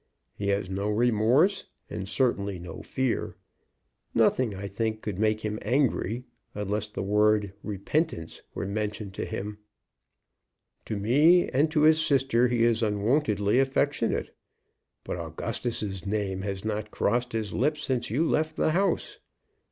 He has no remorse, and certainly no fear. Nothing, I think, could make him angry, unless the word repentance were mentioned to him. To me and to his sister he is unwontedly affectionate; but Augustus's name has not crossed his lips since you left the house."